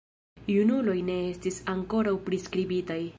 Junuloj ne estis ankoraŭ priskribitaj.